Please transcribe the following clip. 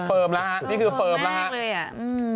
เฟิร์มแล้วฮะนี่คือเฟิร์มแล้วฮะ